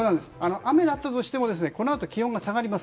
雨だったとしてもこのあと、気温が下がります。